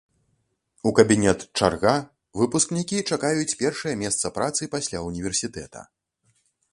У кабінет чарга, выпускнікі чакаюць першае месца працы пасля ўніверсітэта.